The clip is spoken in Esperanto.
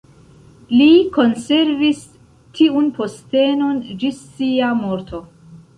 Li konservis tiun postenon ĝis sia morto.